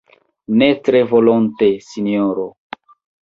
ne tre volonte, sinjoro.